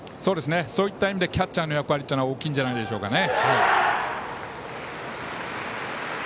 そういった意味でキャッチャーの役割は大きいんじゃないでしょうかね。